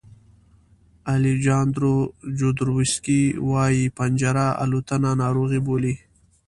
الیجاندرو جودروسکي وایي پنجره الوتنه ناروغي بولي.